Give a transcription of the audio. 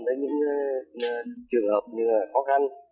đến những trường hợp như là khó khăn